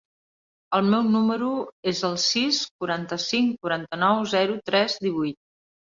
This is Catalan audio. El meu número es el sis, quaranta-cinc, quaranta-nou, zero, tres, divuit.